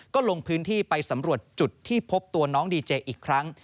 ก็ลงพื้นที่ไปสำรวจจุดที่พบตัวน้องดีเจอีกครั้ง